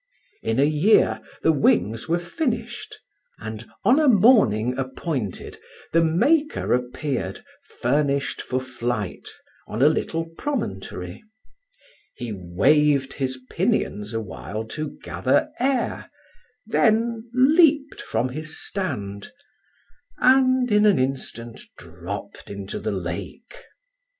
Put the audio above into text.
In a year the wings were finished; and on a morning appointed the maker appeared, furnished for flight, on a little promontory; he waved his pinions awhile to gather air, then leaped from his stand, and in an instant dropped into the lake.